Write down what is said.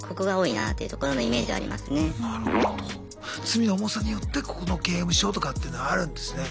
罪の重さによってここの刑務所とかっていうのあるんですね。